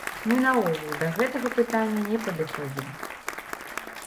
Мы наогул да гэтага пытання не падыходзілі.